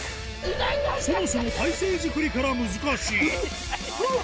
そもそも体勢作りから難しい。